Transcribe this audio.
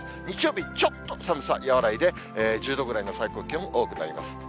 日曜日、ちょっと寒さ和らいで、１０度ぐらいの最高気温、多くなります。